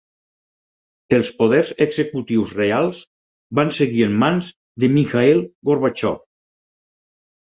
Els poders executius reals van seguir en mans de Mikhaïl Gorbatxov.